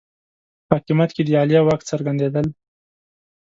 په حاکمیت کې د عالیه واک څرګندېدل